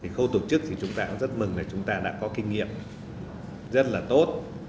khâu tổ chức thì chúng ta cũng rất mừng là chúng ta đã có kinh nghiệm rất là tốt